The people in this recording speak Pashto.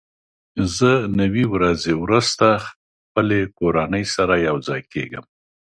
زه نوي ورځې وروسته خپلې کورنۍ سره یوځای کېږم.